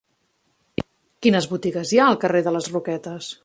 Quines botigues hi ha al carrer de les Roquetes?